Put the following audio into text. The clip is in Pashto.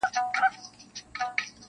• چي مو شپې په روڼولې چي تیارې مو زنګولې -